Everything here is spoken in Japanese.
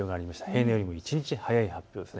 平年よりも一日早い発表です。